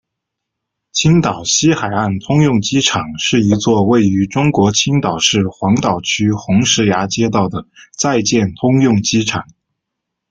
青岛西海岸通用机场是一座位于中国青岛市黄岛区红石崖街道的在建通用机场。